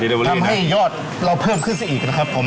เดี๋ยวทำให้ยอดเราเพิ่มขึ้นซะอีกนะครับผม